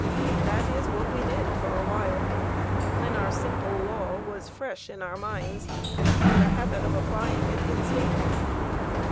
That is what we did for a while, when our simple law was fresh in our minds, and the habit of applying it instinctive.